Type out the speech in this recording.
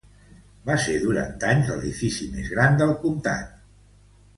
Va ser durant anys l'edifici més gran del comtat.